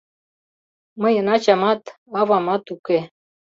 — Мыйын ачамат, авамат уке...